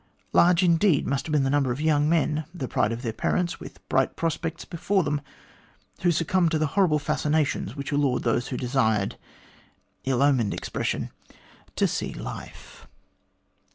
Large indeed must have been the number of young men, the pride of their parents, with bright prospects before them, who succumbed to the horrible fascinations which allured those who desired ill omened expression to see life."